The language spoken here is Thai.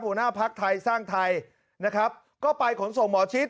หัวหน้าภักดิ์ไทยสร้างไทยนะครับก็ไปขนส่งหมอชิด